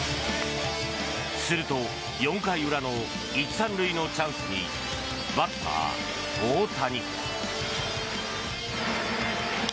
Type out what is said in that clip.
すると４回裏の１・３塁のチャンスにバッター、大谷。